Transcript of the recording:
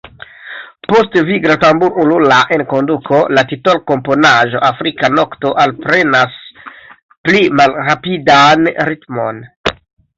Post vigla tambur-ulula enkonduko, la titolkomponaĵo Afrika nokto alprenas pli malrapidan ritmon.